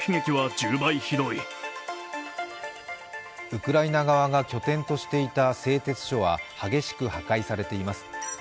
ウクライナ側が拠点としていた製鉄所は激しく破壊されています。